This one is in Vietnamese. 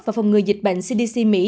và phòng ngừa dịch bệnh cdc mỹ